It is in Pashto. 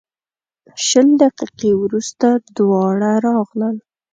شل دقیقې وروسته دواړه راغلل.